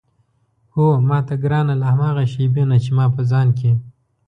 هو ماته ګرانه له هماغه شېبې نه چې ما په ځان کې.